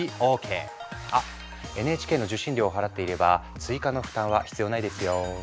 あＮＨＫの受信料を払っていれば追加の負担は必要ないですよ。